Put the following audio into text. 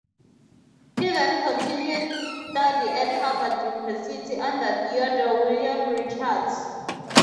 He then continued study at Harvard University under Theodore William Richards.